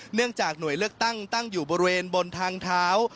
เนื่องจากหน่วยเลือกตั้งตั้งอยู่บริเวณบนทางเท้า